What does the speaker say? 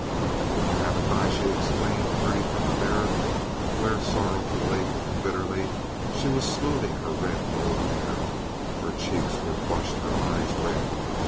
"Oh, haven't I?" she exclaimed, turning from the mirror, where, sorrowfully and bitterly, she was smoothing her red gold hair. Her cheeks were flushed, her eyes red.